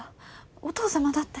お義父様だって。